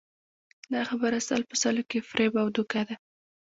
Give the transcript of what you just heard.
دا خبره سل په سلو کې فریب او دوکه ده